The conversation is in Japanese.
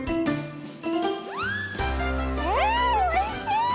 うんおいしい！